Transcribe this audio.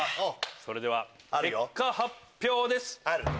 それでは結果発表です。